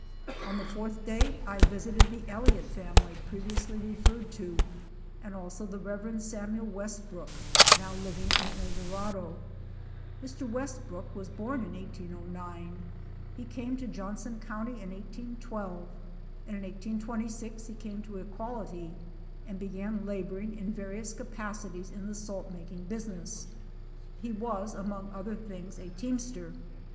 On the fourth day I visited the Elliott family previously referred to and also the Rev. Samuel Westbrook now living in El Dorado. Mr. Westbrook was born in 1809. He came to Johnson county in 1812, and in 1826 he came to Equality and began laboring in various capacities in the salt making business. He was, among other things, a teamster.